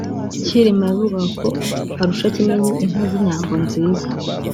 Cyilima yavugaga ko arusha Kimenyi inka z’inyambo nziza